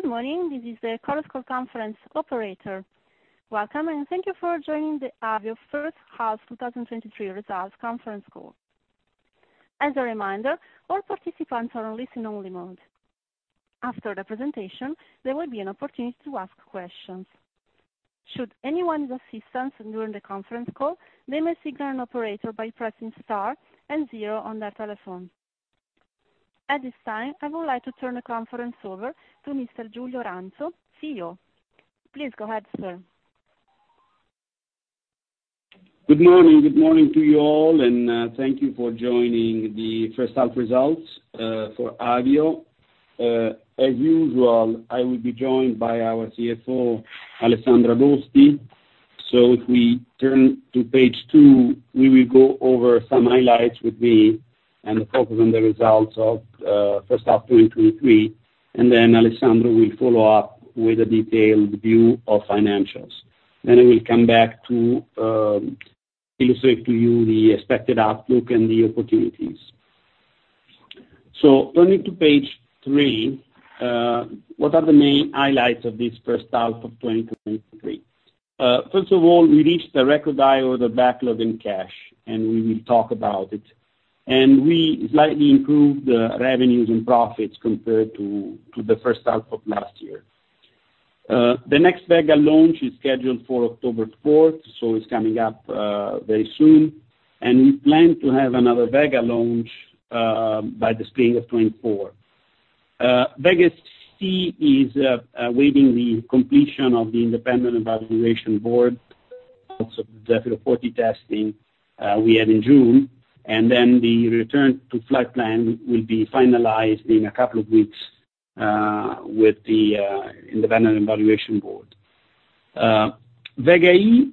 Good morning. This is the Chorus Call conference operator. Welcome, and thank you for joining the Avio First Half 2023 Results Conference Call. As a reminder, all participants are on listen only mode. After the presentation, there will be an opportunity to ask questions. Should anyone need assistance during the conference call, they may signal an operator by pressing Star and zero on their telephone. At this time, I would like to turn the conference over to Mr. Giulio Ranzo, CEO. Please go ahead, sir. Good morning. Good morning to you all, and thank you for joining the first half results for Avio. As usual, I will be joined by our CFO, Alessandro Agosti. So if we turn to page 2, we will go over some highlights with me and focus on the results of first half 2023, and then Alessandro will follow up with a detailed view of financials. Then I will come back to illustrate to you the expected outlook and the opportunities. So turning to page 3, what are the main highlights of this first half of 2023? First of all, we reached a record high order backlog in cash, and we will talk about it. And we slightly improved the revenues and profits compared to the first half of last year. The next Vega launch is scheduled for October 4, so it's coming up very soon, and we plan to have another Vega launch by the spring of 2024. Vega-C is awaiting the completion of the independent evaluation board, also the Vega-C testing we had in June, and then the return to flight plan will be finalized in a couple of weeks with the independent evaluation board. Vega-E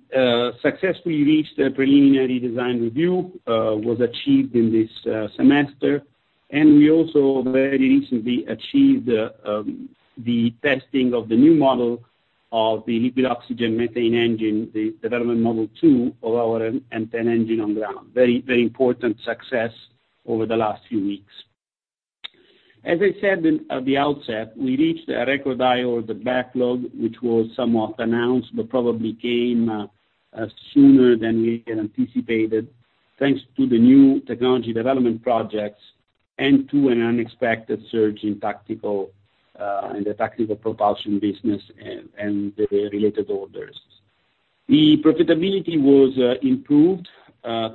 successfully reached the preliminary design review, was achieved in this semester. And we also very recently achieved the testing of the new model of the liquid oxygen methane engine, the development model 2 of our M10 engine on ground. Very, very important success over the last few weeks. As I said at the outset, we reached a record high order backlog, which was somewhat announced, but probably came sooner than we had anticipated, thanks to the new technology development projects and to an unexpected surge in the tactical propulsion business and the related orders. The profitability was improved,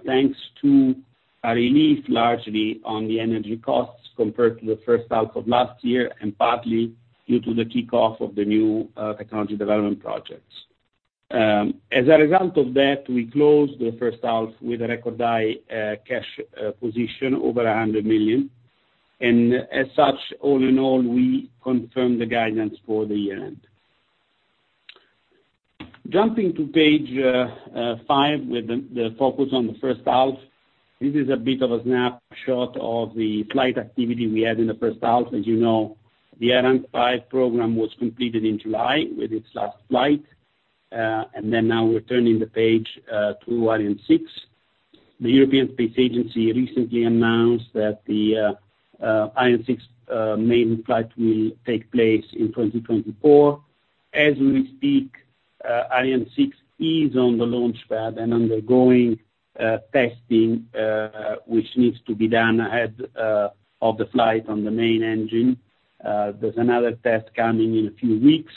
thanks to a relief largely on the energy costs compared to the first half of last year and partly due to the kickoff of the new technology development projects. As a result of that, we closed the first half with a record high cash position, over 100 million, and as such, all in all, we confirmed the guidance for the year end. Jumping to page 5, with the focus on the first half. This is a bit of a snapshot of the flight activity we had in the first half. As you know, the Ariane 5 program was completed in July with its last flight, and then now we're turning the page to Ariane 6. The European Space Agency recently announced that the Ariane 6 main flight will take place in 2024. As we speak, Ariane 6 is on the launch pad and undergoing testing which needs to be done ahead of the flight on the main engine. There's another test coming in a few weeks,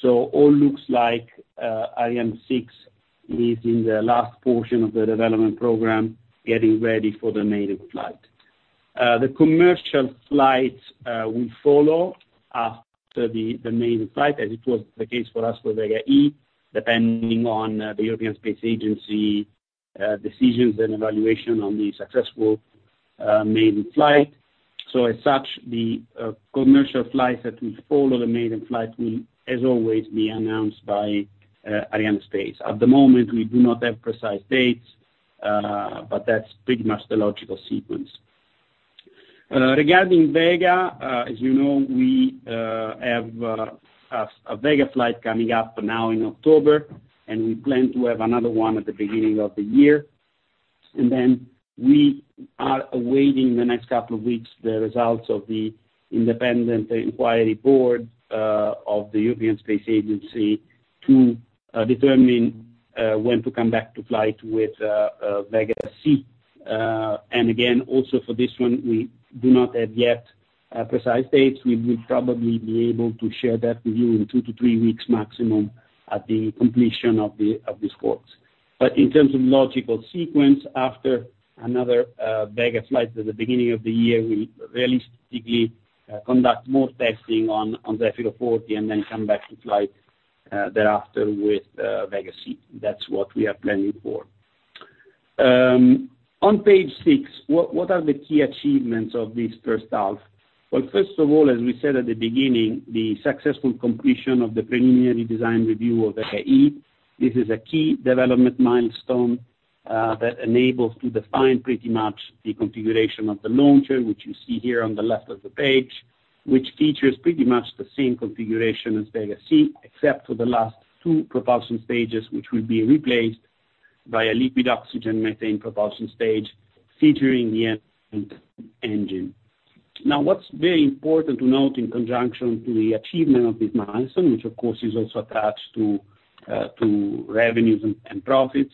so all looks like Ariane 6 is in the last portion of the development program, getting ready for the maiden flight. The commercial flight will follow after the maiden flight, as it was the case for us with Vega-E, depending on the European Space Agency decisions and evaluation on the successful maiden flight. So as such, the commercial flights that will follow the maiden flight will, as always, be announced by Arianespace. At the moment, we do not have precise dates, but that's pretty much the logical sequence. Regarding Vega, as you know, we have a Vega flight coming up now in October, and we plan to have another one at the beginning of the year. And then we are awaiting the next couple of weeks, the results of the independent inquiry board of the European Space Agency to determine when to come back to flight with Vega-C. And again, also for this one, we do not have yet a precise date. We will probably be able to share that with you in 2-3 weeks maximum at the completion of this course. But in terms of logical sequence, after another Vega flight at the beginning of the year, we realistically conduct more testing on the Zefiro 40 and then come back to flight thereafter with Vega-C. That's what we are planning for. On page 6, what are the key achievements of this first half? Well, first of all, as we said at the beginning, the successful completion of the Preliminary Design Review of Vega-E. This is a key development milestone that enables to define pretty much the configuration of the launcher, which you see here on the left of the page, which features pretty much the same configuration as Vega-C, except for the last two propulsion stages, which will be replaced by a liquid oxygen methane propulsion stage featuring the engine. Now, what's very important to note in conjunction to the achievement of this milestone, which of course is also attached to revenues and profits,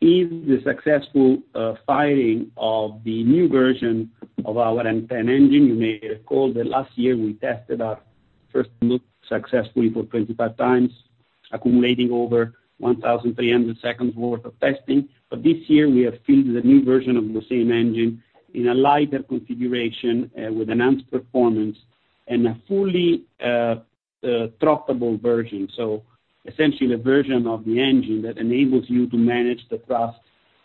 is the successful firing of the new version of our M10 engine. You may recall that last year we tested our first loop successfully for 25 times, accumulating over 1,300 seconds worth of testing. But this year we have fitted a new version of the same engine in a lighter configuration, with enhanced performance and a fully throttleable version. So essentially, the version of the engine that enables you to manage the thrust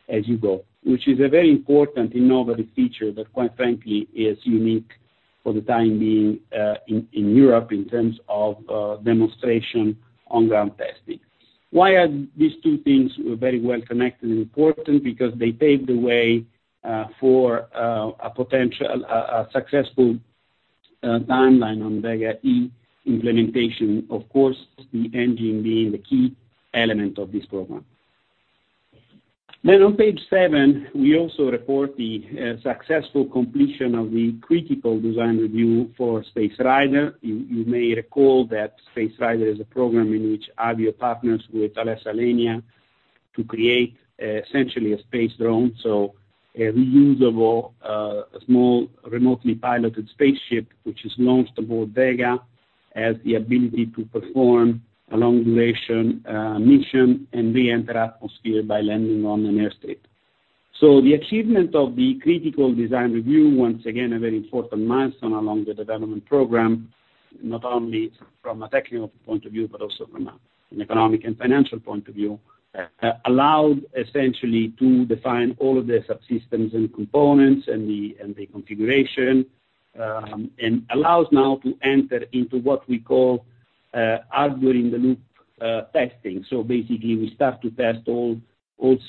as you go, which is a very important innovative feature that, quite frankly, is unique for the time being, in Europe in terms of demonstration on ground testing. Why are these two things very well connected and important? Because they pave the way for a potential successful timeline on Vega-E implementation. Of course, the engine being the key element of this program. On page seven, we also report the successful completion of the Critical Design Review for Space Rider. You may recall that Space Rider is a program in which Avio partners with Thales Alenia to create essentially a space drone. So a reusable small remotely piloted spaceship, which is launched aboard Vega, has the ability to perform a long-duration mission and re-enter atmosphere by landing on an airstrip. So the achievement of the Critical Design Review, once again, a very important milestone along the development program, not only from a technical point of view, but also from an economic and financial point of view, allowed essentially to define all of the subsystems and components and the configuration. And allows now to enter into what we call hardware in the loop testing. So basically, we start to test all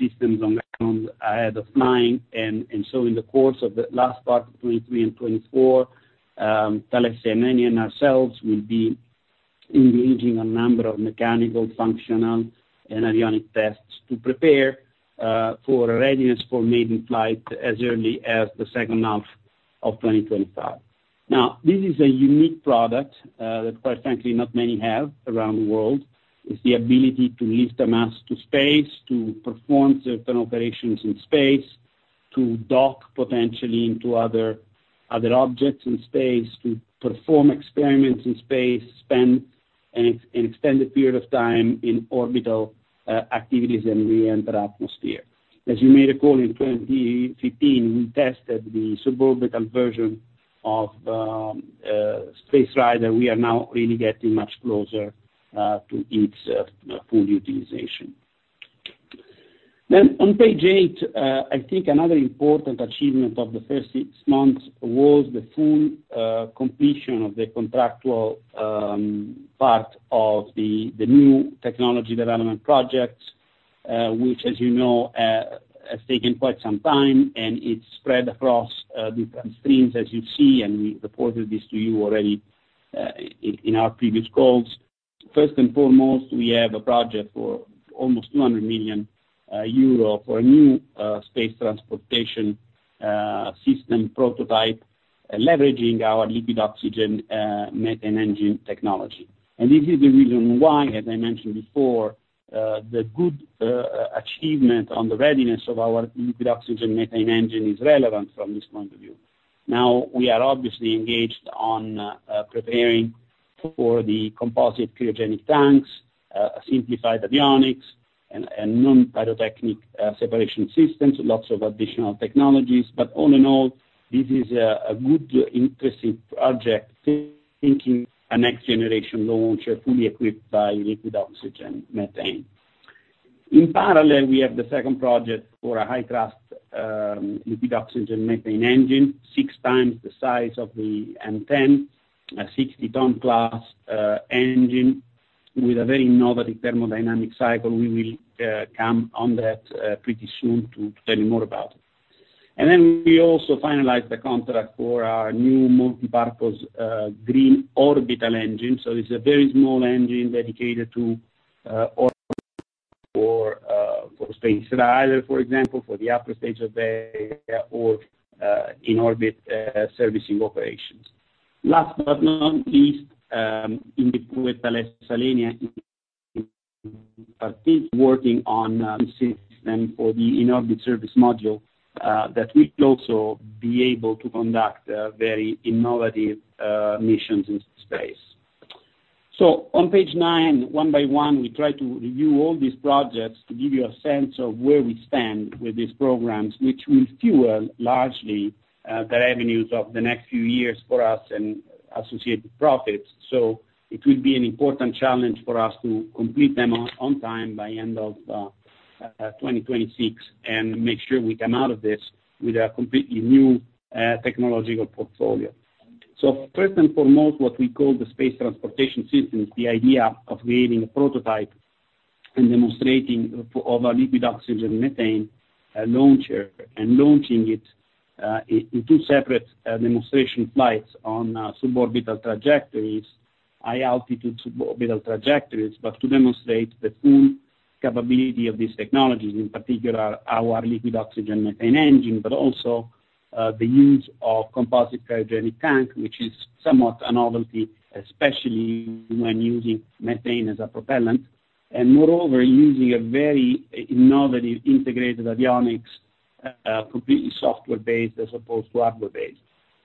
systems on the ground ahead of flying. In the course of the last part of 2023 and 2024, Thales Alenia and ourselves will be engaging a number of mechanical, functional, and avionic tests to prepare for readiness for maiden flight as early as the second half of 2025. Now, this is a unique product that quite frankly, not many have around the world. It's the ability to lift a mass to space, to perform certain operations in space, to dock potentially into other objects in space, to perform experiments in space, spend an extended period of time in orbital activities and reenter atmosphere. As you may recall, in 2015, we tested the suborbital version of Space Rider. We are now really getting much closer to its full utilization. Then on page eight, I think another important achievement of the first six months was the full completion of the contractual part of the new technology development project, which, as you know, has taken quite some time, and it's spread across different streams, as you see, and we reported this to you already, in our previous calls. First and foremost, we have a project for almost 200 million euro for a new space transportation system prototype, leveraging our liquid oxygen methane engine technology. And this is the reason why, as I mentioned before, the good achievement on the readiness of our liquid oxygen methane engine is relevant from this point of view. Now, we are obviously engaged on preparing for the composite cryogenic tanks, simplified avionics and non-pyrotechnic separation systems, lots of additional technologies. But all in all, this is a good, interesting project, thinking a next-generation launcher, fully equipped by liquid oxygen methane. In parallel, we have the second project for a high-thrust liquid oxygen methane engine, six times the size of the M10, a 60-ton class engine with a very innovative thermodynamic cycle. We will comment on that pretty soon to tell you more about. And then we also finalized the contract for our new multi-purpose green orbital engine. So it's a very small engine dedicated to for Space Rider, for example, for the upper stage of the in-orbit servicing operations. Last but not least, in the Thales Alenia Space are still working on system for the in-orbit service module that we could also be able to conduct very innovative missions in space. So on page 9, one by one, we try to review all these projects to give you a sense of where we stand with these programs, which will fuel largely the revenues of the next few years for us and associated profits. So it will be an important challenge for us to complete them on time by end of 2026, and make sure we come out of this with a completely new technological portfolio. So first and foremost, what we call the space transportation systems, the idea of creating a prototype and demonstrating of our liquid oxygen methane launcher and launching it in two separate demonstration flights on suborbital trajectories, high altitude to orbital trajectories, but to demonstrate the full capability of these technologies, in particular, our liquid oxygen methane engine, but also the use of composite cryogenic tank, which is somewhat a novelty, especially when using methane as a propellant, and moreover, using a very innovative integrated avionics completely software-based as opposed to hardware-based.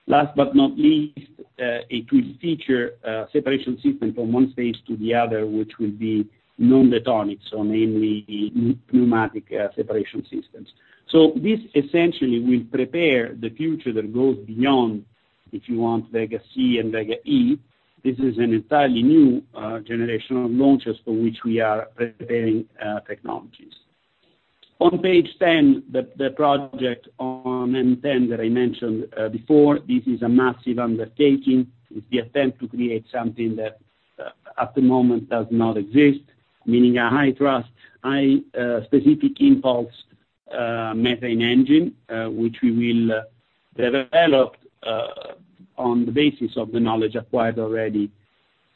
Last but not least, it will feature a separation system from one stage to the other, which will be non-detonating, so mainly pneumatic separation systems. So this essentially will prepare the future that goes beyond, if you want, Vega-C and Vega-E. This is an entirely new generation of launchers for which we are preparing technologies. On page 10, the project on M10 that I mentioned before, this is a massive undertaking. It's the attempt to create something that at the moment does not exist, meaning a high-thrust, high specific impulse methane engine, which we will develop on the basis of the knowledge acquired already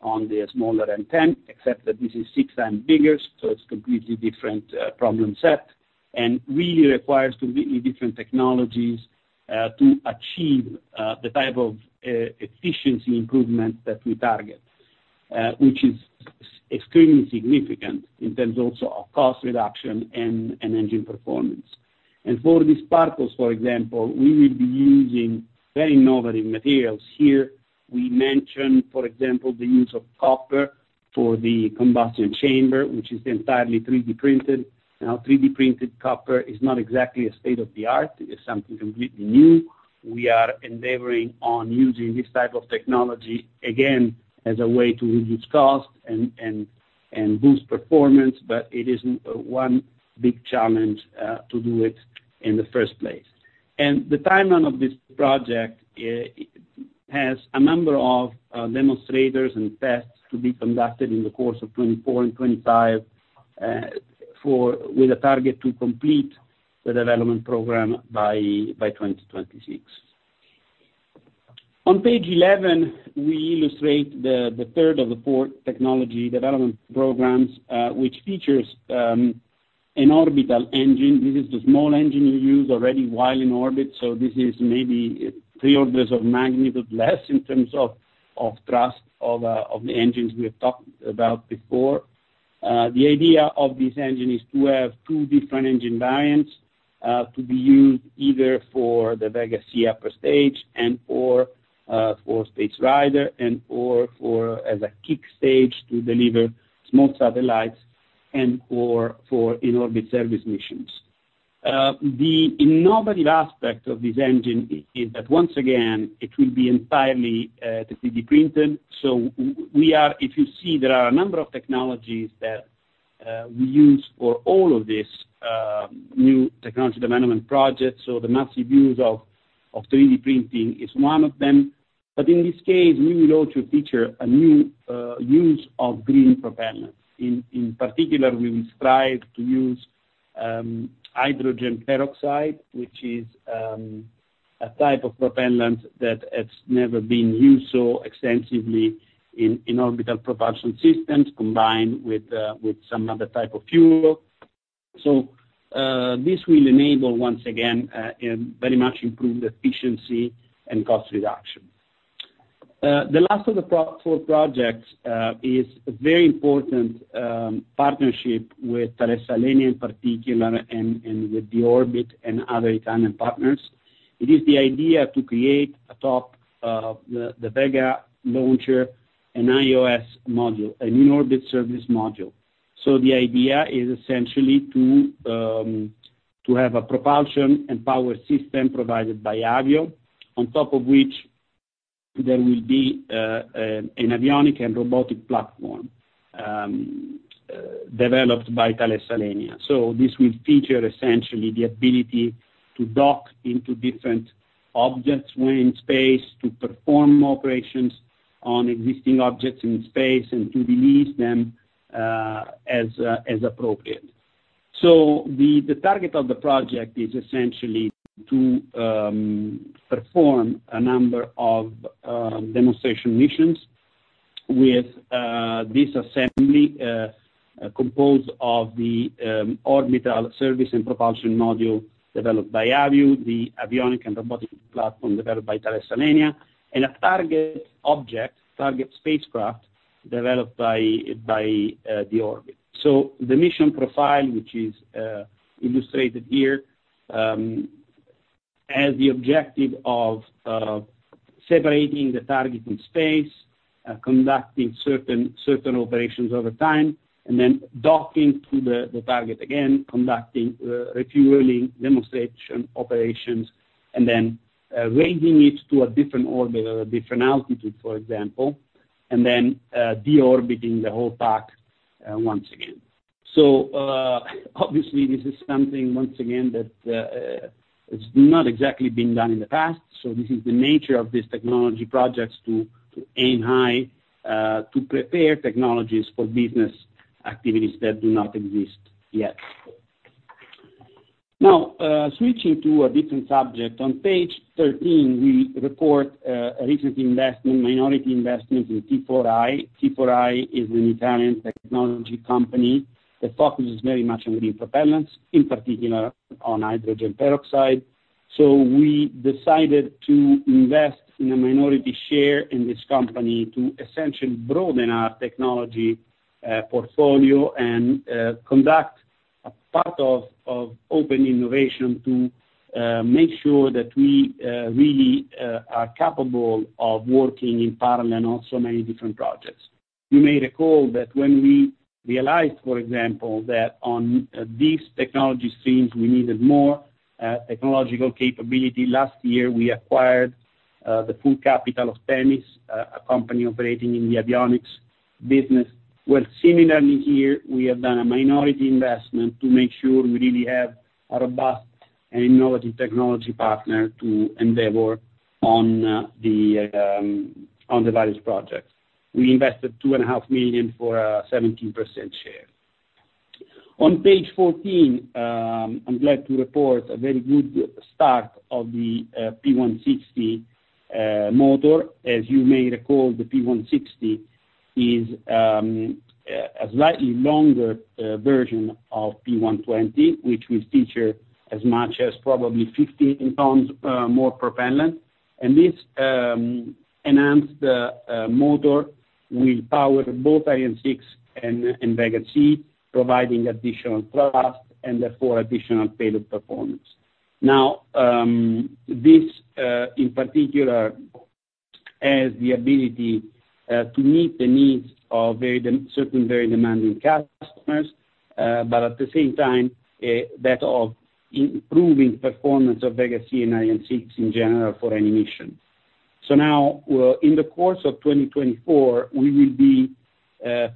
on the smaller M10, except that this is 6x bigger, so it's completely different problem set, and really requires completely different technologies to achieve the type of efficiency improvement that we target. Which is extremely significant in terms also of cost reduction and engine performance. And for the sparkles, for example, we will be using very innovative materials here. We mentioned, for example, the use of copper for the combustion chamber, which is entirely 3D printed. Now, 3D printed copper is not exactly a state-of-the-art, it's something completely new. We are endeavoring on using this type of technology, again, as a way to reduce cost and boost performance, but it is one big challenge to do it in the first place. The timeline of this project has a number of demonstrators and tests to be conducted in the course of 2024 and 2025, with a target to complete the development program by 2026. On page 11, we illustrate the third of the four technology development programs, which features an orbital engine. This is the small engine you use already while in orbit, so this is maybe three orders of magnitude less in terms of thrust of the engines we have talked about before. The idea of this engine is to have two different engine variants, to be used either for the Vega-C upper stage and/or for Space Rider and/or as a kick stage to deliver small satellites and/or for in-orbit service missions. The innovative aspect of this engine is that, once again, it will be entirely 3D printed. So, if you see, there are a number of technologies that we use for all of this new technology development projects. So the massive use of 3D printing is one of them. But in this case, we will also feature a new use of green propellant. In particular, we will strive to use hydrogen peroxide, which is a type of propellant that it's never been used so extensively in orbital propulsion systems, combined with some other type of fuel. So this will enable, once again, very much improve the efficiency and cost reduction. The last of the four projects is a very important partnership with Thales Alenia in particular, and with D-Orbit and other Italian partners. It is the idea to create a top of the Vega launcher, an IOS module, an in-orbit service module. So the idea is essentially to have a propulsion and power system provided by Avio, on top of which there will be an avionics and robotic platform developed by Thales Alenia. So this will feature essentially the ability to dock into different objects when in space, to perform operations on existing objects in space, and to release them, as appropriate. So the target of the project is essentially to perform a number of demonstration missions with this assembly composed of the orbital service and propulsion module developed by Avio, the avionics and robotic platform developed by Thales Alenia, and a target object, target spacecraft developed by D-Orbit. So the mission profile, which is illustrated here, has the objective of separating the target in space, conducting certain operations over time, and then docking to the target again, conducting refueling demonstration operations, and then raising it to a different orbit or a different altitude, for example, and then de-orbiting the whole pack once again. So, obviously, this is something once again that it's not exactly been done in the past, so this is the nature of this technology projects, to aim high, to prepare technologies for business activities that do not exist yet. Now, switching to a different subject, on page 13, we report a recent investment, minority investment in T4i. T4i is an Italian technology company that focuses very much on green propellants, in particular on hydrogen peroxide. So we decided to invest in a minority share in this company to essentially broaden our technology portfolio and conduct a part of open innovation to make sure that we really are capable of working in parallel on so many different projects. You may recall that when we realized, for example, that on these technology streams, we needed more technological capability. Last year we acquired the full capital of Temis, a company operating in the avionics business, where similarly here, we have done a minority investment to make sure we really have a robust and innovative technology partner to endeavor on the various projects. We invested 2.5 million for a 17% share. On page 14, I'm glad to report a very good start of the P-160 motor. As you may recall, the P-160 is a slightly longer version of P-120, which will feature as much as probably 15 tons more propellant. And this enhanced motor will power both Ariane 6 and Vega-C, providing additional thrust and therefore additional payload performance. Now, this in particular has the ability to meet the needs of very demanding customers, but at the same time that of improving performance of Vega-C and Ariane 6 in general for any mission. So now, in the course of 2024, we will be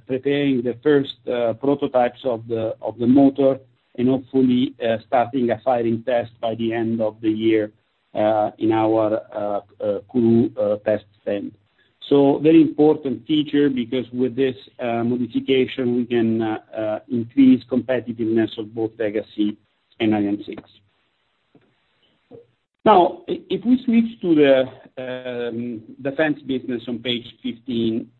preparing the first prototypes of the motor and hopefully starting a firing test by the end of the year in our Kourou test stand. So very important feature, because with this modification, we can increase competitiveness of both Vega-C and Ariane 6. Now, if we switch to the defense business on page 15,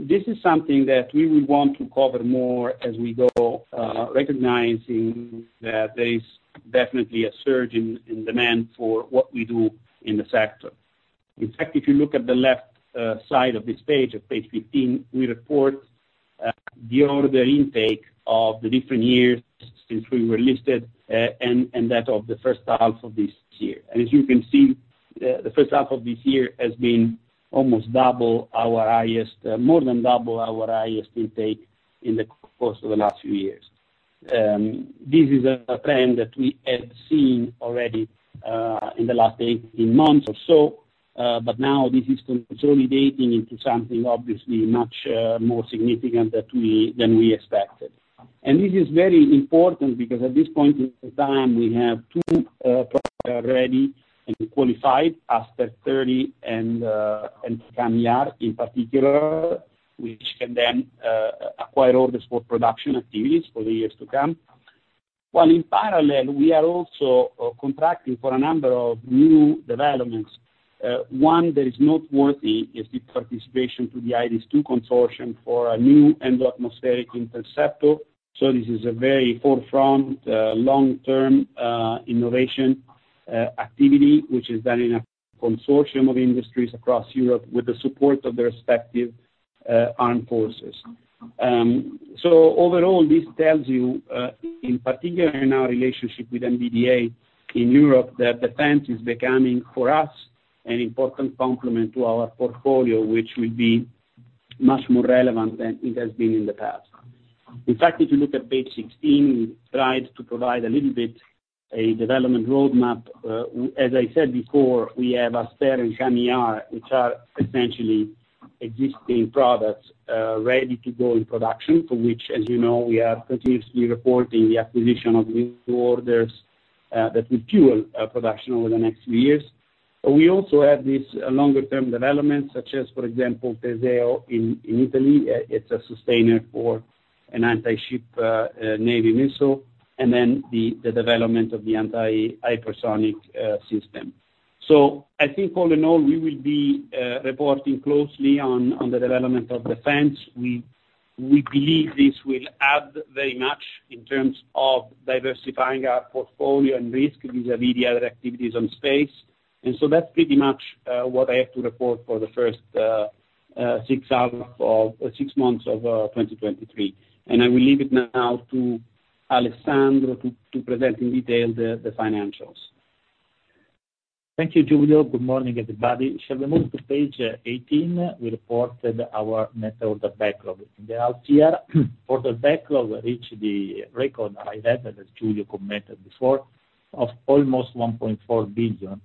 this is something that we would want to cover more as we go, recognizing that there is definitely a surge in demand for what we do in the sector. In fact, if you look at the left side of this page, of page 15, we report the order intake of the different years since we were listed, and that of the first half of this year. And as you can see, the first half of this year has been almost double our highest, more than double our highest intake in the course of the last few years. This is a trend that we had seen already in the last 18 months or so, but now this is consolidating into something obviously much more significant than we expected. This is very important because at this point in time, we have two products already and qualified, Aster 30 and CAMM-ER in particular, which can then acquire orders for production activities for the years to come. While in parallel, we are also contracting for a number of new developments. One that is noteworthy is the participation to the IRIS-T consortium for a new endo-atmospheric interceptor. So this is a very forefront long-term innovation activity, which is done in a consortium of industries across Europe with the support of the respective armed forces. So overall, this tells you, in particular in our relationship with MBDA in Europe, that defense is becoming, for us, an important complement to our portfolio, which will be much more relevant than it has been in the past. In fact, if you look at page 16, we tried to provide a little bit a development roadmap. As I said before, we have Aster and CAMM-ER, which are essentially existing products, ready to go in production, for which, as you know, we are continuously reporting the acquisition of new orders, that will fuel production over the next few years. We also have these longer-term developments, such as, for example, Teseo in Italy. It's a sustainer for an anti-ship navy missile, and then the development of the anti-hypersonic system. So I think all in all, we will be reporting closely on the development of defense. We believe this will add very much in terms of diversifying our portfolio and risk vis-a-vis the other activities on space. And so that's pretty much what I have to report for the first six months of 2023. And I will leave it now to Alessandro to present in detail the financials. Thank you, Giulio. Good morning, everybody. Shall we move to page 18? We reported our net order backlog in the last year. For the backlog, we reached the record high level, as Giulio commented before, of almost 1.4 billion,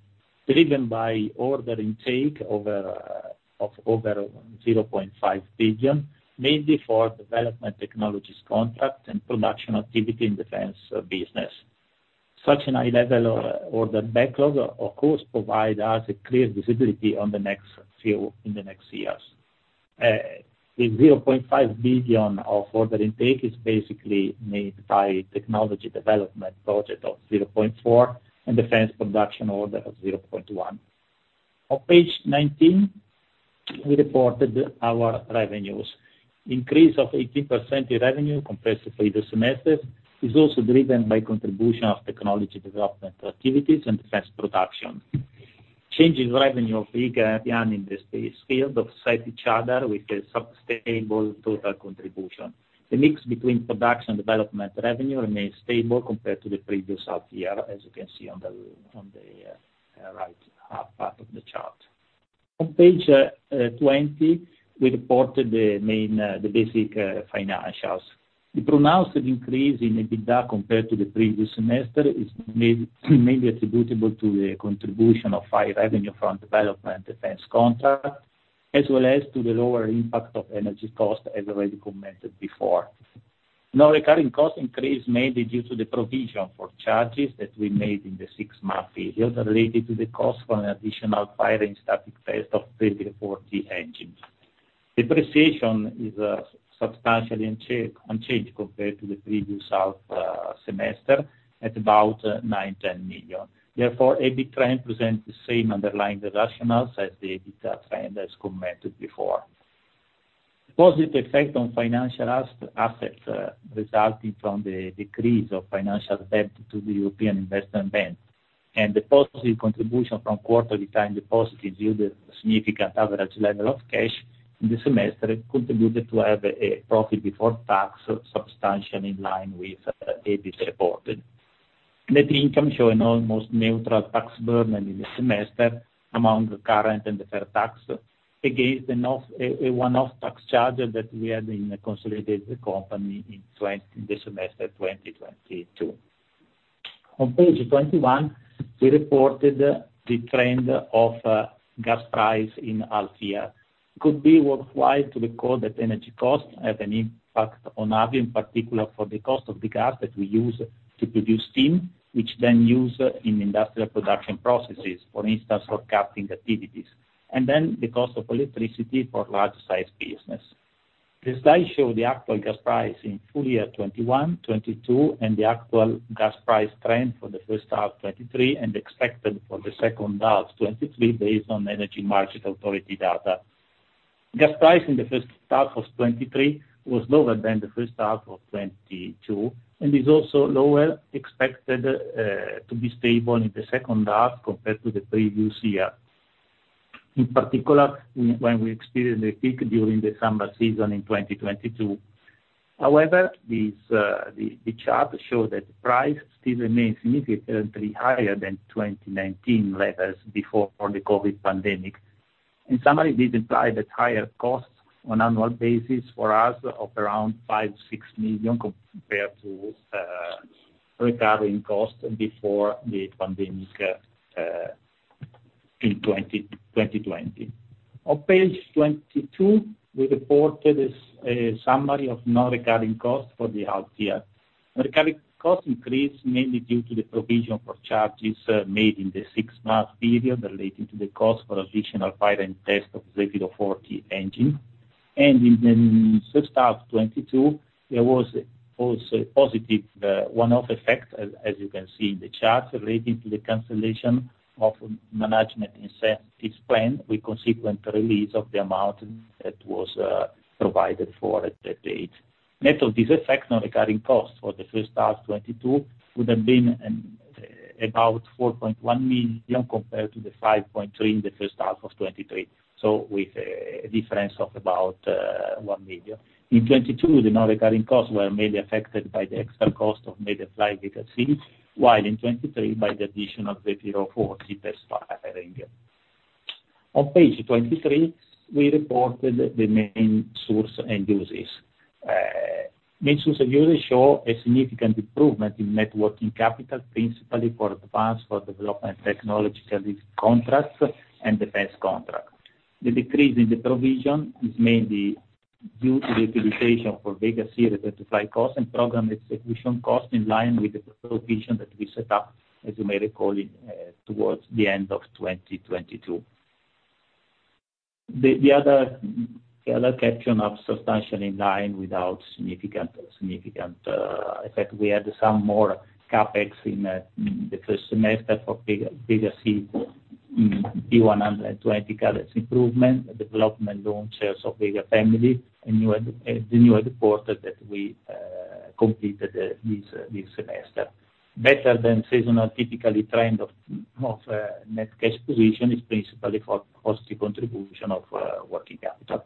driven by order intake of over 0.5 billion, mainly for development technologies contract and production activity in defense business. Such a high level of order backlog, of course, provide us a clear visibility on the next few, in the next years. The 0.5 billion of order intake is basically made by technology development project of 0.4, and defense production order of 0.1. On page 19, we reported our revenues. Increase of 18% in revenue compared to previous semester, is also driven by contribution of technology development activities and defense production. Change in revenue of in the space field of beside each other with a sustainable total contribution. The mix between production development revenue remains stable compared to the previous half year, as you can see on the, on the, right, part of the chart. On page 20, we reported the main, the basic, financials. The pronounced increase in EBITDA compared to the previous semester is mainly attributable to the contribution of high revenue from development defense contract, as well as to the lower impact of energy cost, as already commented before. Non-recurring cost increase, mainly due to the provision for charges that we made in the six-month period, related to the cost for an additional firing static test of 30-40 engines. Depreciation is substantially unchanged compared to the previous half semester, at about 9 million- 10 million. Therefore, EBIT trend presents the same underlying rationales as the EBITDA trend, as commented before. Positive effect on financial assets resulting from the decrease of financial debt to the European Investment Bank, and the positive contribution from quarterly time deposits due to significant average level of cash in the semester, contributed to have a profit before tax substantially in line with EBIT reported. Net income showing almost neutral tax burden in the semester among the current and the fair tax, against a one-off tax charge that we had in the consolidated company in the semester 2022. On page 21, we reported the trend of gas price in half year. Could be worthwhile to recall that energy costs have an impact on Avio, in particular, for the cost of the gas that we use to produce steam, which then use in industrial production processes, for instance, for capping activities, and then the cost of electricity for large-sized business. This slide show the actual gas price in full year 2021, 2022, and the actual gas price trend for the first half 2023, and expected for the second half 2023, based on energy market authority data. Gas price in the first half of 2023 was lower than the first half of 2022, and is also lower, expected, to be stable in the second half compared to the previous year. In particular, when we experienced a peak during the summer season in 2022. However, the chart show that price still remains significantly higher than 2019 levels before the COVID pandemic. In summary, this imply that higher costs on annual basis for us of around 5 million- 6 million, compared to recurring costs before the pandemic in 2020. On page 22, we reported a summary of non-recurring costs for the half year. Recurring costs increased mainly due to the provision for charges made in the six-month period, relating to the cost for additional firing test of the Zefiro 40 engine. And in the first half '22, there was also a positive one-off effect, as you can see in the chart, relating to the cancellation of management incentives plan, with consequent release of the amount that was provided for at that date. Net of this effect on recurring costs for the first half 2022, would have been about 4.1 million, compared to the 5.3 million in the first half of 2023, so with a difference of about 1 million. In 2022, the non-recurring costs were mainly affected by the extra cost of maybe Fly Vega-C, while in 2023, by the addition of the Zefiro 4 test firing. On page 23, we reported the main source and uses. Main source and uses show a significant improvement in net working capital, principally for advance for development technology service contracts and defense contract. The decrease in the provision is mainly due to the utilization for Vega-C certified costs and program execution costs, in line with the provision that we set up, as you may recall, towards the end of 2022. The other caption of substantially in line without significant effect, we had some more CapEx in the first semester for Vega, Vega-C, P-120C's improvement, development launches of Vega family, and new adapter that we completed this semester. Better than seasonal, typical trend of net cash position is principally for positive contribution of working capital.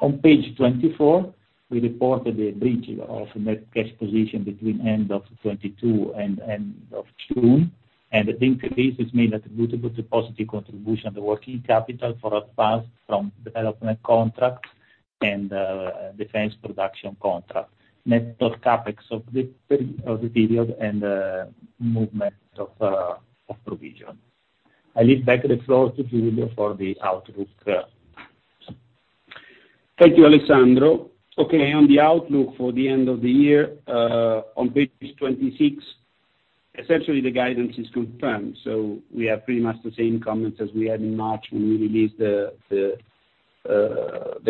On page 24, we reported a bridge of net cash position between end of 2022 and end of June, and the increase is mainly attributable to positive contribution of the working capital for advance from development contracts and defense production contract. Net of CapEx of the period and movement of provision. I leave back the floor to Giulio for the outlook.... Thank you, Alessandro. Okay, on the outlook for the end of the year, on page 26, essentially the guidance is confirmed, so we have pretty much the same comments as we had in March when we released the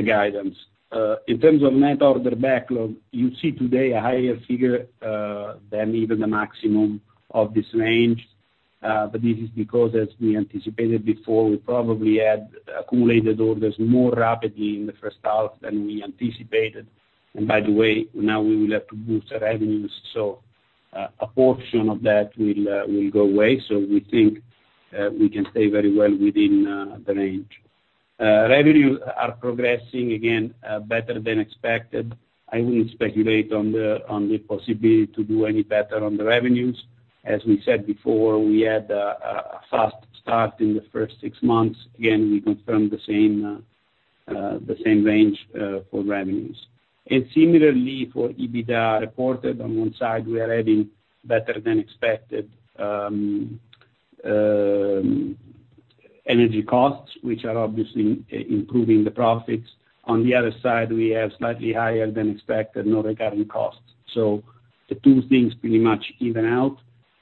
guidance. In terms of net order backlog, you see today a higher figure than even the maximum of this range, but this is because, as we anticipated before, we probably had accumulated orders more rapidly in the first half than we anticipated. And by the way, now we will have to boost the revenues, so a portion of that will go away. So we think we can stay very well within the range. Revenues are progressing, again, better than expected. I wouldn't speculate on the possibility to do any better on the revenues. As we said before, we had a fast start in the first six months. Again, we confirm the same, the same range for revenues. And similarly, for EBITDA reported, on one side, we are having better than expected energy costs, which are obviously improving the profits. On the other side, we have slightly higher than expected non-recurring costs. So the two things pretty much even out.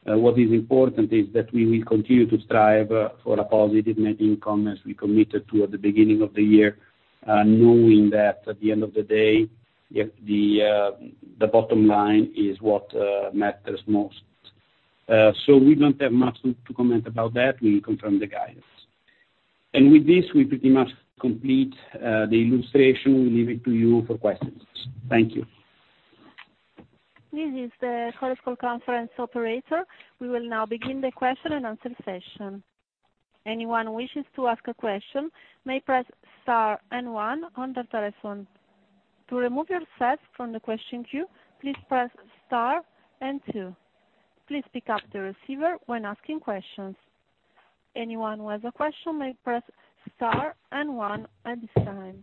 What is important is that we will continue to strive for a positive net income, as we committed to at the beginning of the year, knowing that at the end of the day, the bottom line is what matters most. So we don't have much to comment about that. We confirm the guidance. And with this, we pretty much complete the illustration. We leave it to you for questions. Thank you. This is the telephone conference operator. We will now begin the question-and-answer session. Anyone wishes to ask a question may press star and one on their telephone. To remove yourself from the question queue, please press star and two. Please pick up the receiver when asking questions. Anyone who has a question may press star and one at this time.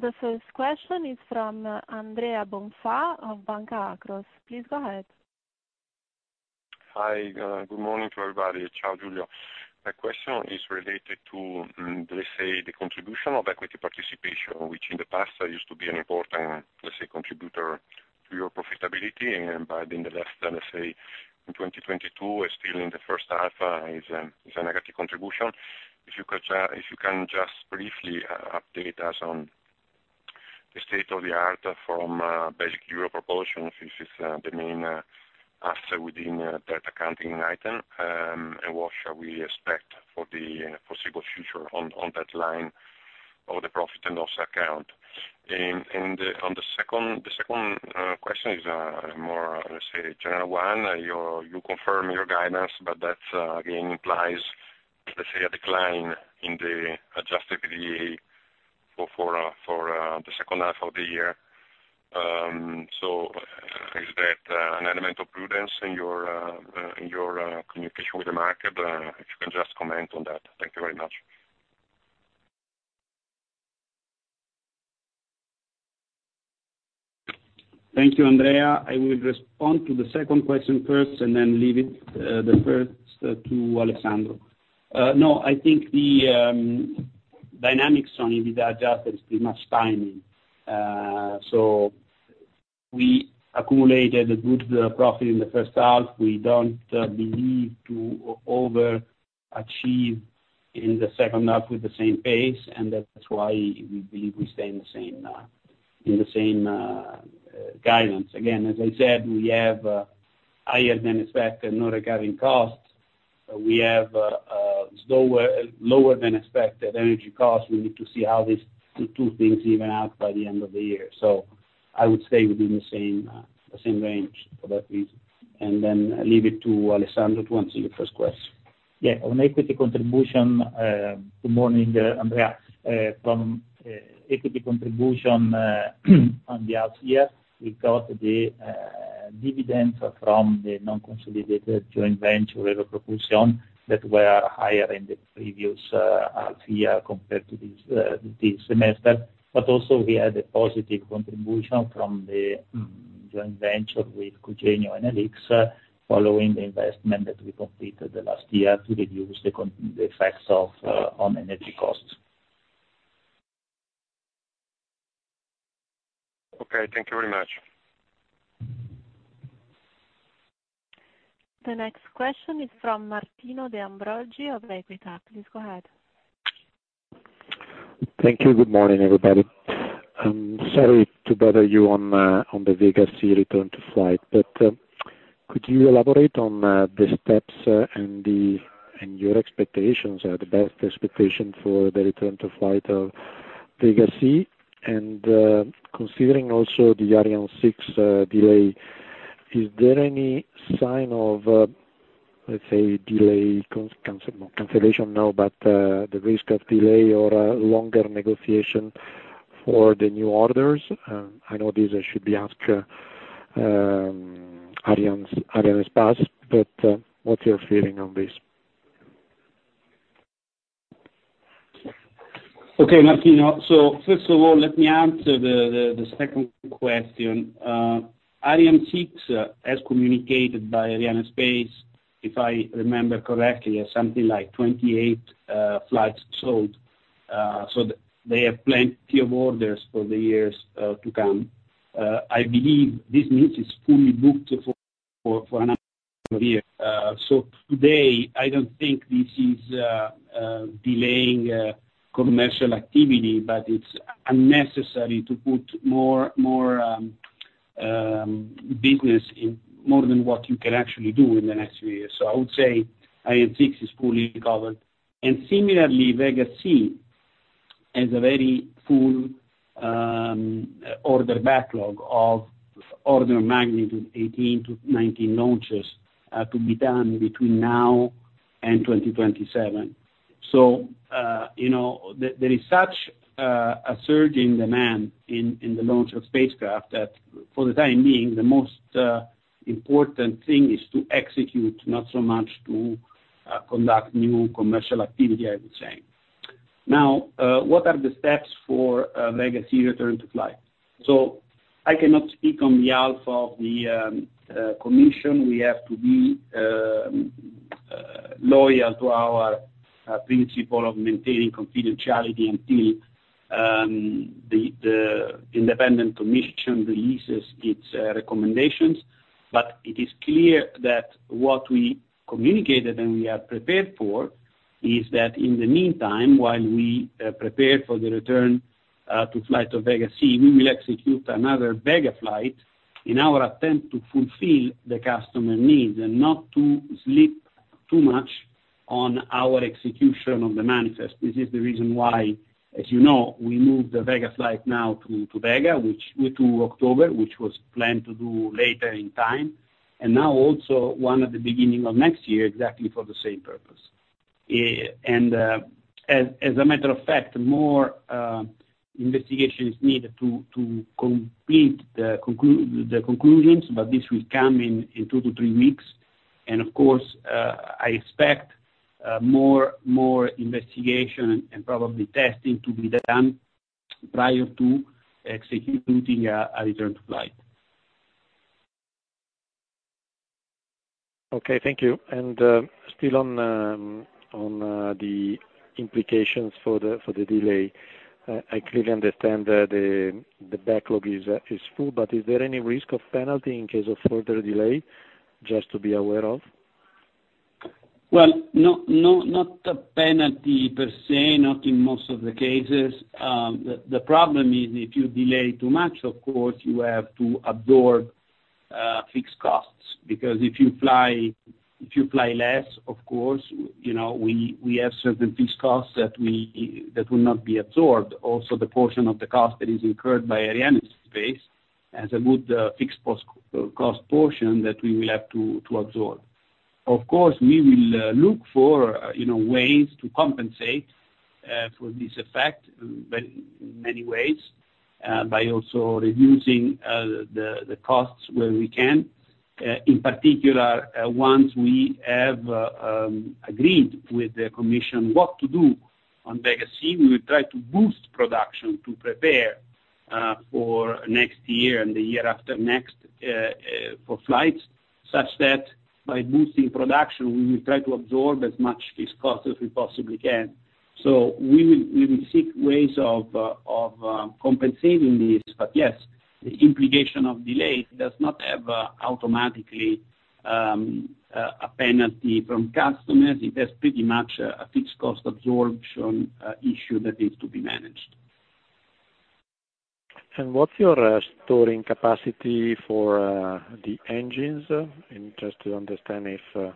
The first question is from Andrea Bonfà of Banca Akros. Please go ahead. Hi, good morning to everybody. Ciao, Giulio. My question is related to, let's say, the contribution of equity participation, which in the past used to be an important, let's say, contributor to your profitability, but in the last, let's say, in 2022 and still in the first half, is a negative contribution. If you could, if you can just briefly update us on the state of the art from Europropulsion, this is the main asset within that accounting item, and what shall we expect for the foreseeable future on that line or the profit and loss account? And on the second question is, more, let's say, general one. You confirm your guidance, but that again implies, let's say, a decline in the adjusted EVA for the second half of the year. So is that an element of prudence in your communication with the market? If you can just comment on that. Thank you very much. Thank you, Andrea. I will respond to the second question first and then leave it, the first to Alessandro. No, I think the dynamics on EBITDA adjusted is pretty much timing. So we accumulated a good profit in the first half. We don't believe to overachieve in the second half with the same pace, and that's why we believe we stay in the same guidance. Again, as I said, we have higher than expected non-recurring costs. We have slower, lower than expected energy costs. We need to see how these two things even out by the end of the year. So I would say within the same range for that reason. And then leave it to Alessandro to answer the first question. Yeah, on equity contribution, good morning, Andrea. From equity contribution, on the half year, we got the dividends from the non-consolidated joint venture, Europropulsion, that were higher in the previous half year compared to this semester. But also we had a positive contribution from the joint venture with Cogenio and Enel X, following the investment that we completed last year to reduce the effects on energy costs. Okay, thank you very much. The next question is from Martino De Ambroggi of Equita. Please go ahead. Thank you. Good morning, everybody. I'm sorry to bother you on the Vega-C return to flight, but could you elaborate on the steps and your expectations, the best expectation for the return to flight of Vega-C? And considering also the Ariane 6 delay, is there any sign of, let's say, delay, cancellation, no, but the risk of delay or a longer negotiation for the new orders? I know these should be asked Arianespace, but what's your feeling on this?... Okay, Martino. So first of all, let me answer the second question. Ariane 6, as communicated by Arianespace, if I remember correctly, has something like 28 flights sold. So they have plenty of orders for the years to come. I believe this means it's fully booked for another year. So today, I don't think this is delaying commercial activity, but it's unnecessary to put more business in more than what you can actually do in the next few years. So I would say Ariane 6 is fully covered. And similarly, Vega-C has a very full order backlog of order of magnitude 18-19 launches to be done between now and 2027. So, you know, there is such a surge in demand in the launch of spacecraft that for the time being, the most important thing is to execute, not so much to conduct new commercial activity, I would say. Now, what are the steps for Vega-C return to flight? So I cannot speak on behalf of the commission. We have to be loyal to our principle of maintaining confidentiality until the independent commission releases its recommendations. But it is clear that what we communicated, and we are prepared for, is that in the meantime, while we prepare for the return to flight of Vega-C, we will execute another Vega flight in our attempt to fulfill the customer needs and not to slip too much on our execution of the manifest. This is the reason why, as you know, we moved the Vega flight now to October, which was planned to do later in time, and now also one at the beginning of next year, exactly for the same purpose. As a matter of fact, more investigation is needed to complete the conclusions, but this will come in two to three weeks. Of course, I expect more investigation and probably testing to be done prior to executing a return to flight. Okay, thank you. Still on the implications for the delay. I clearly understand that the backlog is full, but is there any risk of penalty in case of further delay, just to be aware of? Well, no, no, not a penalty per se, not in most of the cases. The problem is, if you delay too much, of course, you have to absorb fixed costs. Because if you fly, if you fly less, of course, you know, we have certain fixed costs that will not be absorbed. Also, the portion of the cost that is incurred by Arianespace as a good fixed cost portion that we will have to absorb. Of course, we will look for, you know, ways to compensate for this effect, but in many ways, by also reducing the costs where we can. In particular, once we have agreed with the commission what to do on Vega-C, we will try to boost production to prepare for next year and the year after next for flights, such that by boosting production, we will try to absorb as much fixed costs as we possibly can. So we will seek ways of compensating this. But yes, the implication of delays does not have automatically a penalty from customers. It has pretty much a fixed cost absorption issue that is to be managed. What's your storage capacity for the engines? Just to understand if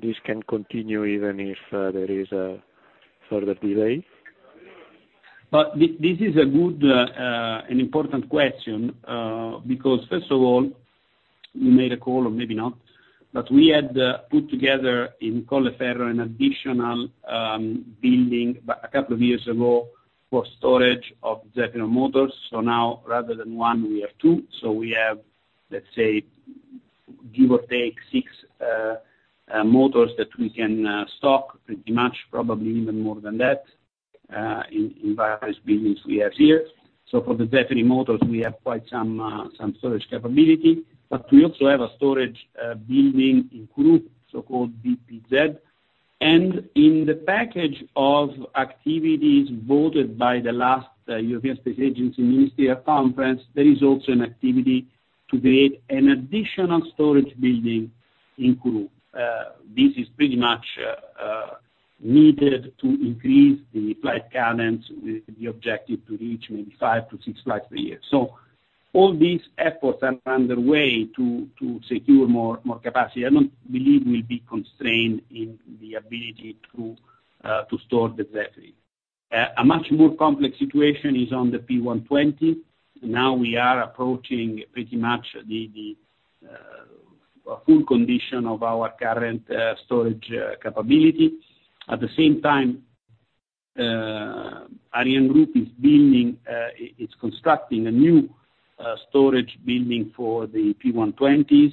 this can continue even if there is a further delay. But this is a good, an important question, because first of all, we made a call, or maybe not, but we had put together in Colleferro, an additional building a couple of years ago for storage of the, you know, motors. So now, rather than one, we have two. So we have, let's say, give or take six motors that we can stock pretty much, probably even more than that, in various buildings we have here. So for the Zefiro motors, we have quite some storage capability, but we also have a storage building in Kourou, so-called BPZ. And in the package of activities voted by the last European Space Agency Ministerial Conference, there is also an activity to create an additional storage building in Kourou. This is pretty much needed to increase the flight cadence with the objective to reach maybe 5-6 flights per year. So all these efforts are underway to secure more capacity. I don't believe we'll be constrained in the ability to store the Zefiro. A much more complex situation is on the P-120. Now we are approaching pretty much the full condition of our current storage capability. At the same time, Ariane Group is constructing a new storage building for the P-120s,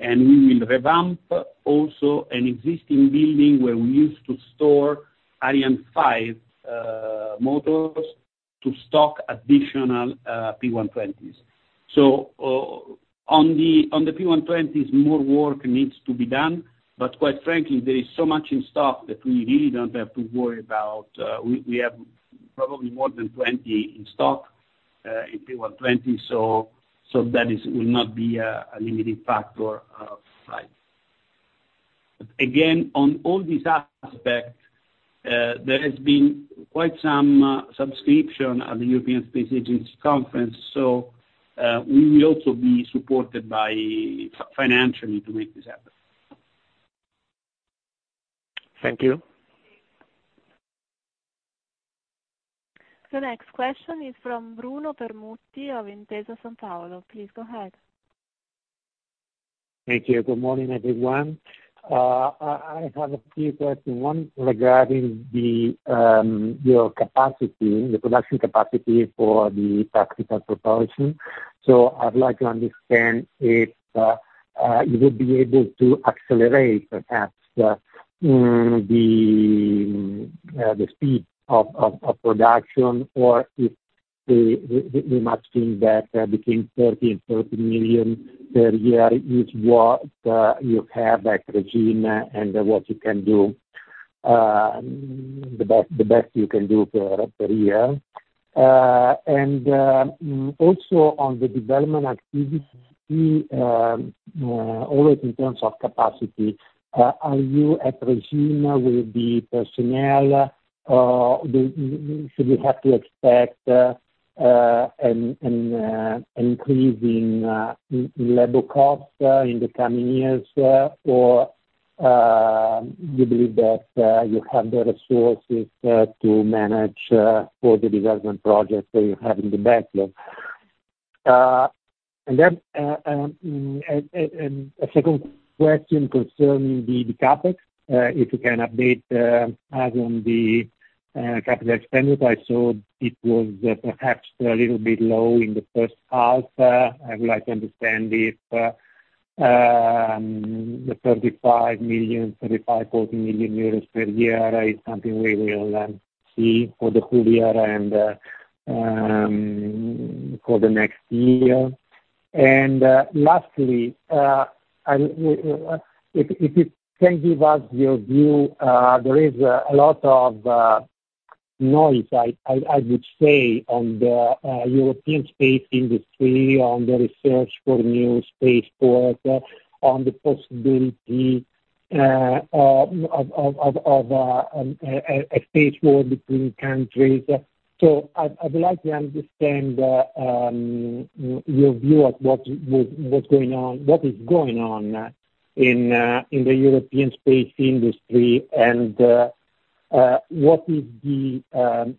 and we will revamp also an existing building where we used to store Ariane 5 motors to stock additional P-120s. So, on the P-120s, more work needs to be done, but quite frankly, there is so much in stock that we really don't have to worry about. We have probably more than 20 in stock in P-120, so that is will not be a limiting factor. Again, on all these aspects, there has been quite some subscription at the European Space Agency conference, so we will also be supported by financially to make this happen. Thank you. The next question is from Bruno Permutti of Intesa Sanpaolo. Please go ahead. Thank you. Good morning, everyone. I have a few questions. One, regarding your capacity, the production capacity for the tactical propulsion. So I'd like to understand if you would be able to accelerate, perhaps, the speed of production, or if we might think that between 30 and 30 million per year is what you have at regime and what you can do, the best you can do per year. Also on the development activity, always in terms of capacity, are you at regime with the personnel, or should we have to expect an increase in labor costs in the coming years, or you believe that you have the resources to manage all the development projects that you have in the backlog? And then a second question concerning the CapEx. If you can update us on the capital expenditure. I saw it was perhaps a little bit low in the first half. I would like to understand if the 35 million-40 million euros per year is something we will see for the full year and for the next year. Lastly, if you can give us your view, there is a lot of noise, I would say, on the European space industry, on the research for new spaceport, on the possibility of a space war between countries. So I'd like to understand your view of what is going on in the European space industry, and what is the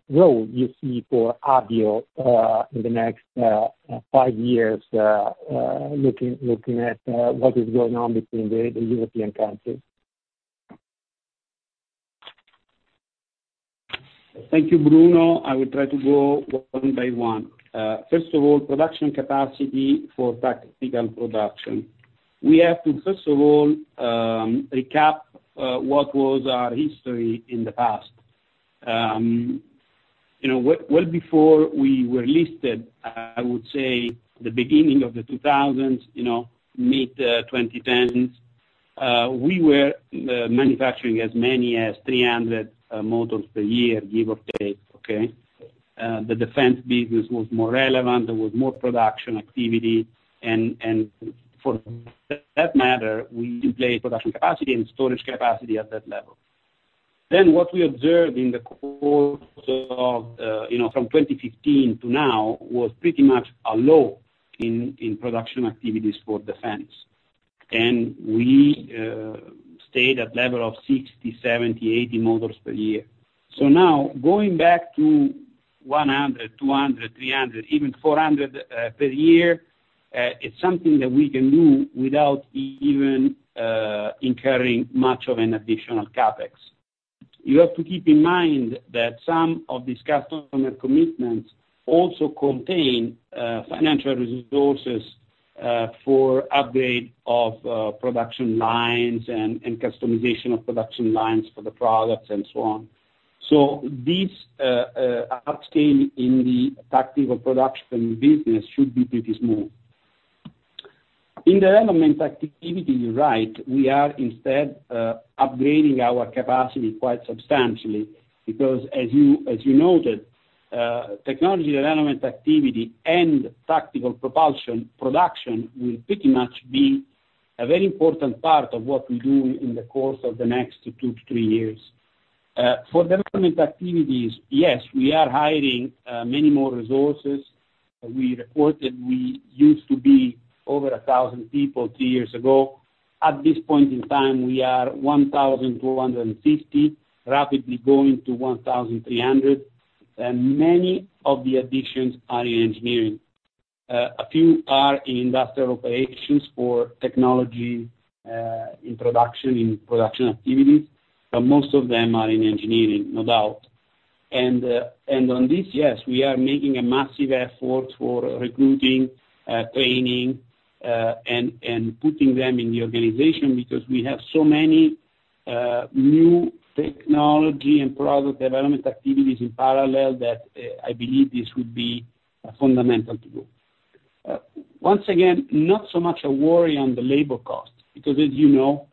role you see for Avio in the next five years, looking at what is going on between the European countries? Thank you, Bruno. I will try to go one by one. First of all, production capacity for tactical production. We have to first of all, recap, what was our history in the past. You know, well, well before we were listed, I would say the beginning of the 2000s, you know, mid-2010s, we were, manufacturing as many as 300, motors per year, give or take. Okay? The defense business was more relevant. There was more production activity, and for that matter, we deployed production capacity and storage capacity at that level. Then what we observed in the course of, you know, from 2015 to now, was pretty much a low in production activities for defense. And we stayed at level of 60, 70, 80 motors per year. So now, going back to 100, 200, 300, even 400, per year, is something that we can do without even incurring much of an additional CapEx. You have to keep in mind that some of these customer commitments also contain financial resources for upgrade of production lines and customization of production lines for the products and so on. So this upscale in the tactical production business should be pretty smooth. In the development activity, you're right, we are instead upgrading our capacity quite substantially because as you noted, technology development activity and tactical propulsion production will pretty much be a very important part of what we do in the course of the next two to three years. For development activities, yes, we are hiring many more resources. We reported we used to be over 1,000 people two years ago. At this point in time, we are 1,250, rapidly going to 1,300, and many of the additions are in engineering. A few are in industrial operations or technology, in production, in production activities, but most of them are in engineering, no doubt. And on this, yes, we are making a massive effort for recruiting, training, and putting them in the organization, because we have so many new technology and product development activities in parallel that, I believe this would be fundamental to do. Once again, not so much a worry on the labor cost, because as you know,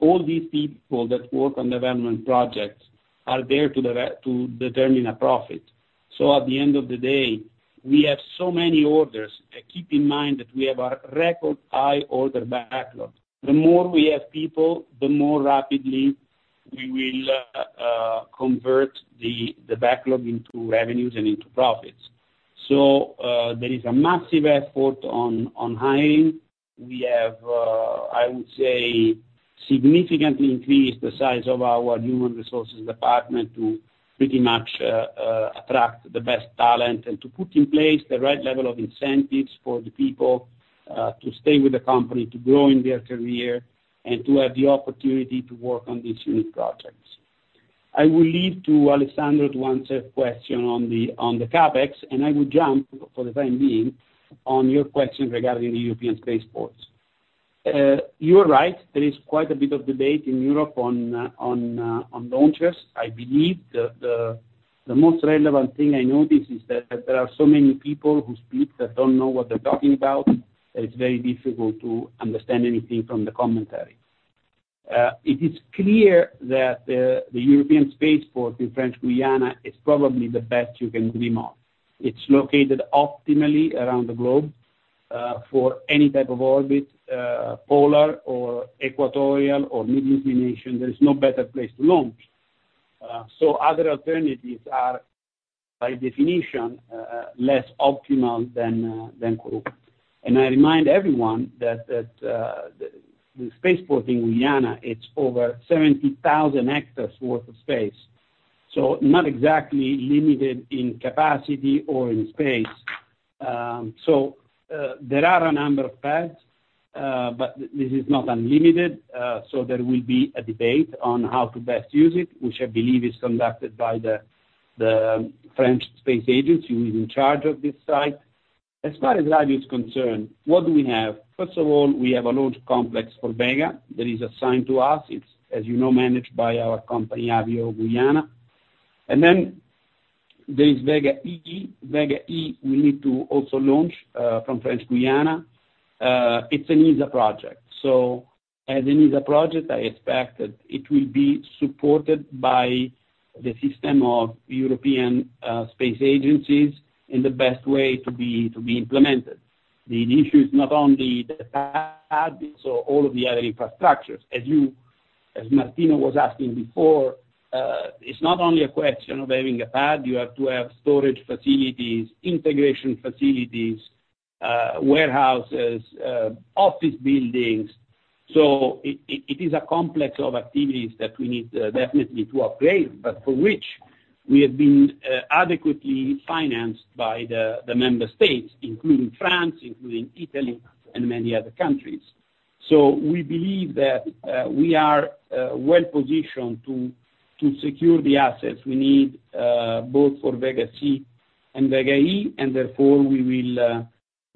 all these people that work on development projects are there to direct - to determine a profit. So at the end of the day, we have so many orders. Keep in mind that we have a record high order backlog. The more we have people, the more rapidly we will convert the backlog into revenues and into profits. So there is a massive effort on hiring. We have, I would say, significantly increased the size of our human resources department to pretty much attract the best talent, and to put in place the right level of incentives for the people to stay with the company, to grow in their career, and to have the opportunity to work on these unique projects. I will leave to Alessandro to answer a question on the CapEx, and I will jump, for the time being, on your question regarding the European space ports. You are right, there is quite a bit of debate in Europe on launchers. I believe the most relevant thing I notice is that there are so many people who speak that don't know what they're talking about, that it's very difficult to understand anything from the commentary. It is clear that the European spaceport in French Guiana is probably the best you can dream of. It's located optimally around the globe for any type of orbit, polar or equatorial or mid-inclination, there is no better place to launch. So other alternatives are, by definition, less optimal than Kourou. And I remind everyone that the spaceport in Guiana, it's over 70,000 hectares worth of space, so not exactly limited in capacity or in space. So, there are a number of pads, but this is not unlimited. So there will be a debate on how to best use it, which I believe is conducted by the French space agency, who is in charge of this site. As far as Avio is concerned, what do we have? First of all, we have a launch complex for Vega, that is assigned to us. It's, as you know, managed by our company, Avio Guiana. And then there is Vega-E. Vega-E, we need to also launch from French Guiana. It's an ESA project. So as an ESA project, I expect that it will be supported by the system of European space agencies in the best way to be implemented. The issue is not only the path, so all of the other infrastructures. As you, as Martino was asking before, it's not only a question of having a pad, you have to have storage facilities, integration facilities, warehouses, office buildings. So it is a complex of activities that we need definitely to upgrade, but for which we have been adequately financed by the member states, including France, including Italy, and many other countries. So we believe that we are well positioned to secure the assets we need both for Vega-C and Vega-E, and therefore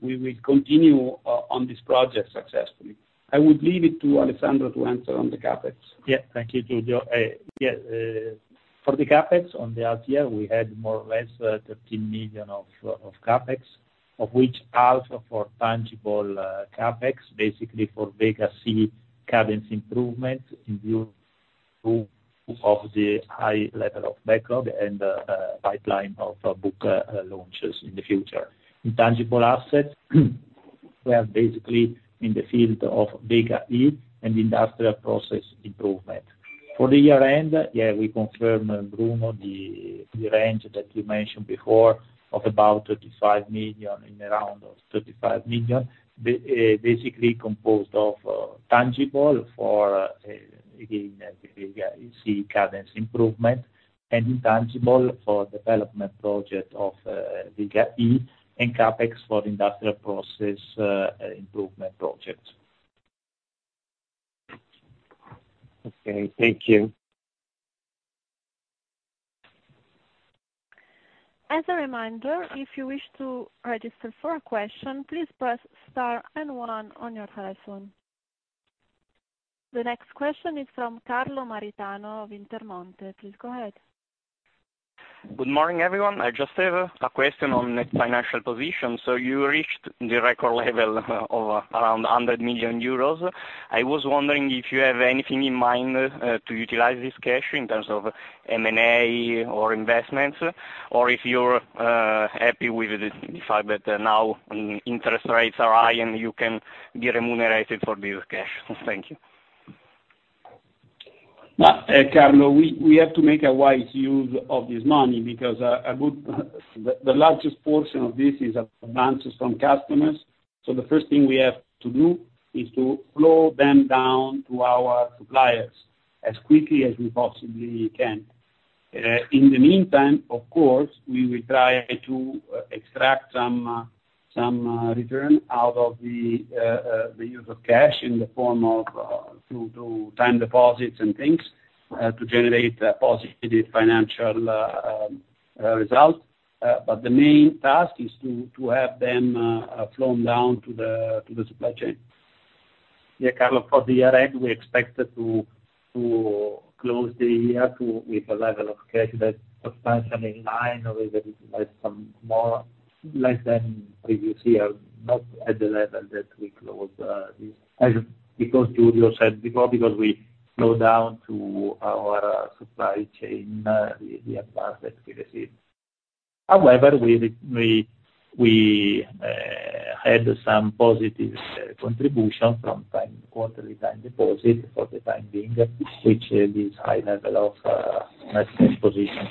we will continue on this project successfully. I would leave it to Alessandro to answer on the CapEx. Yeah. Thank you, Giulio. Yeah, for the CapEx on the RTL, we had more or less 13 million of CapEx, of which half are for tangible CapEx, basically for Vega-C cadence improvement in view of the high level of backlog and pipeline of booked launches in the future. Intangible assets, we are basically in the field of Vega-E and industrial process improvement. For the year end, yeah, we confirm, Bruno, the range that you mentioned before, of about 35 million, in around of 35 million. Basically composed of tangible for again the Vega-C cadence improvement, and intangible for development project of Vega-E, and CapEx for industrial process improvement projects. Okay, thank you. As a reminder, if you wish to register for a question, please press star and one on your telephone. The next question is from Carlo Maritano of Intermonte. Please go ahead. Good morning, everyone. I just have a question on the financial position. So you reached the record level of around 100 million euros. I was wondering if you have anything in mind to utilize this cash in terms of M&A or investments, or if you're happy with the fact that now interest rates are high, and you can get remunerated for this cash? Thank you. Carlo, we have to make a wise use of this money, because the largest portion of this is advances from customers. So the first thing we have to do is to flow them down to our suppliers as quickly as we possibly can. In the meantime, of course, we will try to extract some return out of the use of cash in the form of through to time deposits and things to generate a positive financial result. But the main task is to have them flown down to the supply chain. Yeah, Carlo, for the year end, we expected to close the year to—with a level of cash that substantially in line with some more, less than previous year, not at the level that we close, as because Giulio said before, because we slow down to our supply chain, the advance that we received. However, we had some positive contribution from time, quarterly time deposit for the time being, which is high level of net cash position.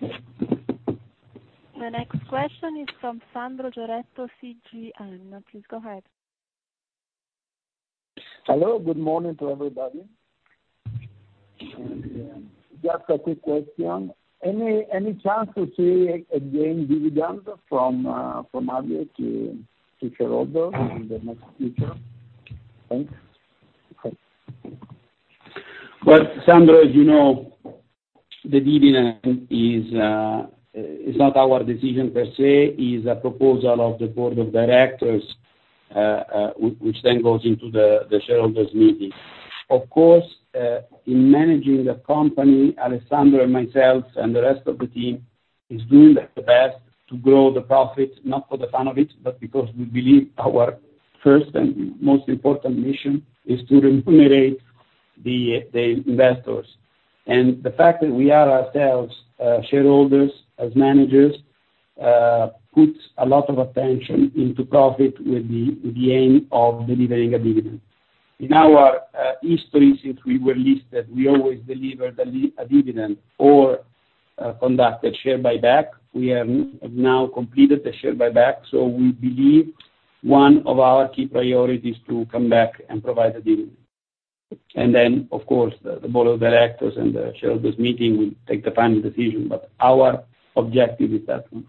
So. Thank you. The next question is from Sandra Jareto, CGN. Please go ahead. Hello, good morning to everybody. Just a quick question. Any chance to see again dividend from Avio to shareholders in the next future? Thanks. Well, Sandra, as you know, the dividend is, is not our decision per se, is a proposal of the board of directors, which then goes into the, the shareholders meeting. Of course, in managing the company, Alessandro and myself, and the rest of the team, is doing the best to grow the profit, not for the fun of it, but because we believe our first and most important mission is to remunerate the, the investors. And the fact that we are ourselves, shareholders, as managers, puts a lot of attention into profit with the, with the aim of delivering a dividend. In our, history, since we were listed, we always delivered a dividend or, conducted share buyback. We have now completed the share buyback, so we believe one of our key priorities is to come back and provide a dividend. And then, of course, the board of directors and the shareholders meeting will take the final decision, but our objective is that one.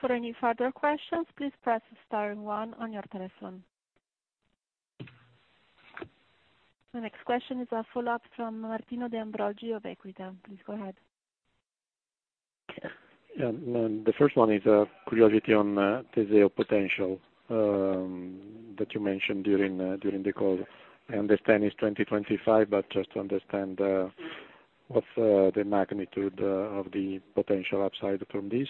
For any further questions, please press star and one on your telephone. The next question is a follow-up from Martino De Ambrogi of Equita. Please go ahead. The first one is a curiosity on Teseo potential that you mentioned during the call. I understand it's 2025, but just to understand what's the magnitude of the potential upside from this?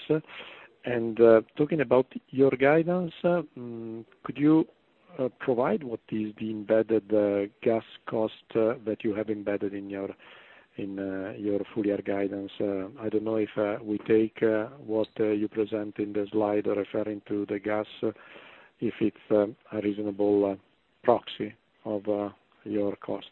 And talking about your guidance, could you provide what is the embedded gas cost that you have embedded in your full year guidance? I don't know if we take what you present in the slide referring to the gas, if it's a reasonable proxy of your cost.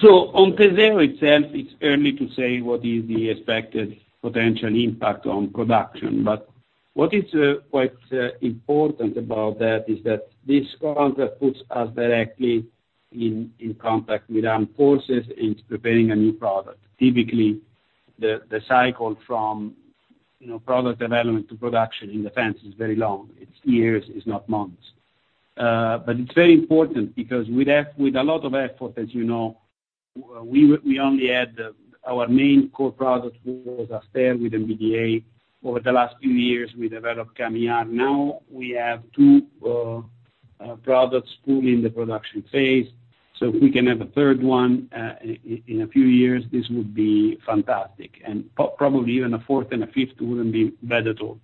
So on Teseo itself, it's early to say what is the expected potential impact on production. But what is quite important about that is that this contract puts us directly in contact with armed forces into preparing a new product. Typically, the cycle from, you know, product development to production in defense is very long. It's years, it's not months. But it's very important because with a lot of effort, as you know, we only had our main core product, was Aster with MBDA. Over the last few years, we developed CAMM-ER. Now we have two products fully in the production phase, so if we can have a third one in a few years, this would be fantastic. And probably even a fourth and a fifth wouldn't be bad at all.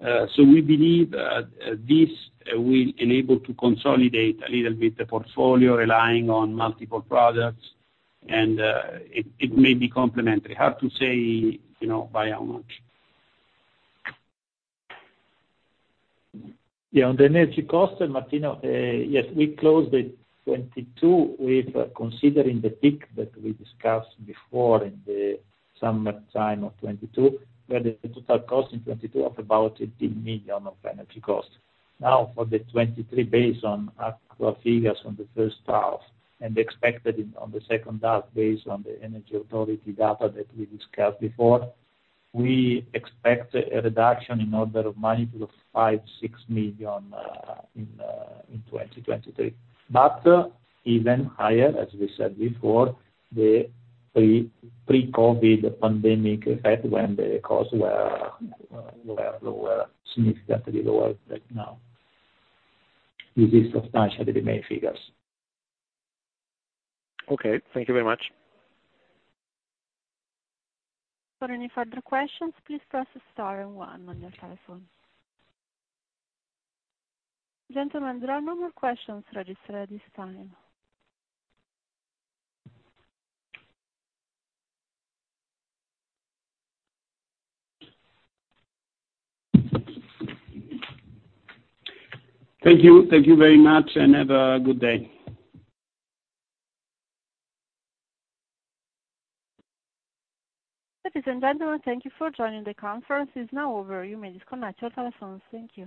So we believe this will enable to consolidate a little bit the portfolio, relying on multiple products, and it may be complementary. Hard to say, you know, by how much. Yeah, on the energy cost, Martino, yes, we closed the 2022 with considering the peak that we discussed before in the summertime of 2022, where the total cost in 2022 of about 15 million of energy costs. Now, for the 2023, based on actual figures from the first half and expected on the second half, based on the energy authority data that we discussed before, we expect a reduction in order of magnitude of 5-6 million in 2023. But even higher, as we said before, the pre-COVID pandemic effect, when the costs were lower, significantly lower than now. This is substantially the main figures. Okay, thank you very much. For any further questions, please press star and one on your telephone. Gentlemen, there are no more questions registered at this time. Thank you. Thank you very much, and have a good day. Ladies and gentlemen, thank you for joining the conference. It's now over. You may disconnect your telephones. Thank you.